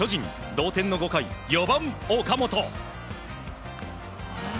同点の５回、４番、岡本。